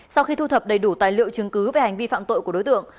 sau khi thu thập đầy đủ tài liệu chứng cứ về hành vi phạm tội của đối tượng